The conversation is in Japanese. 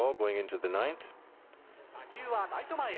打球はライト前へ。